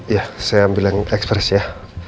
ya saya ambil yang ekspres ya